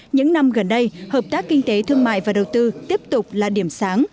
những năm gần đây hợp tác kinh tế thương mại và đầu tư tiếp tục là điểm sáng